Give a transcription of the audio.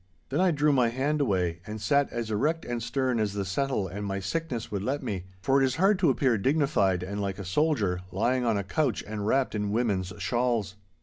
Then I drew my hand away, and sat as erect and stern as the settle and my sickness would let me, for it is hard to appear dignified and like a soldier, lying on a couch and wrapped in women's shawls.